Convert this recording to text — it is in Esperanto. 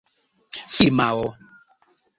firmao